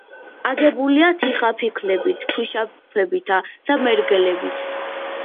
აგებულია თიხაფიქლებით, ქვიშაქვებითა და მერგელებით.